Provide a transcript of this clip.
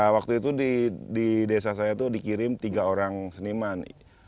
waktu itu di desa saya itu dikirim tiga orang seniman